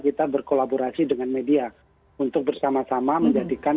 kita berkolaborasi dengan media untuk bersama sama menjadikan